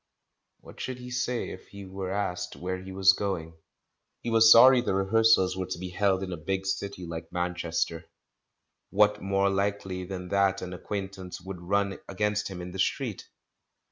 What should he say if he were asked where he was going? He was sorry the rehearsals were to be held in a big city like Manchester; what more likely than that an acquaintance would run against him in the street?